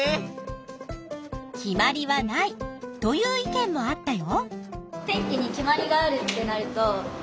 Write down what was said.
決まりはないという意見もあったよ。